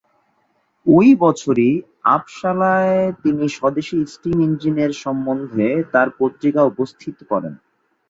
ওই বছরই আপসালায় তিনি স্বদেশী স্টিম ইঞ্জিনের সম্বন্ধে তার পত্রিকা উপস্থিত করেন।